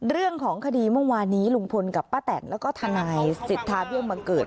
เรื่องของคดีเมื่อวานนี้ลุงพลกับป้าแตนแล้วก็ทนายสิทธาเบี้ยบังเกิด